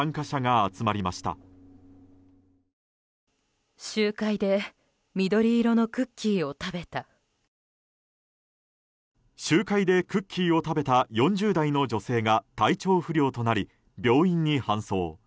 集会でクッキーを食べた４０代の女性が体調不良となり病院に搬送。